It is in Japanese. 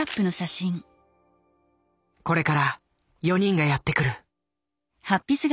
これから４人がやってくる。